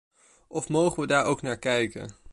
Of mogen we daar ook naar kijken?